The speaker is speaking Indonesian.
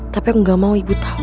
tapi aku gak mau ibu tahu